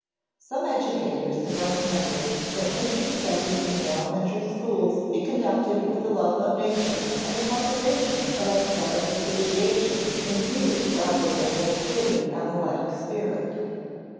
Some educators have recommended that nature study in the elementary schools be conducted with a love of nature and a cultivation of æsthetic appreciation in view rather than in a purely analytic spirit.